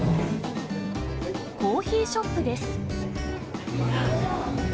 コーヒーショップです。